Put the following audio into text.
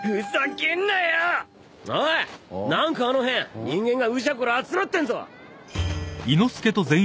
おい何かあの辺人間がうじゃこら集まってんぞ。